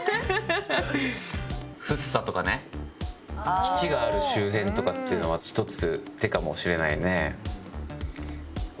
基地がある周辺とかっていうのは一つ手かもしれないね。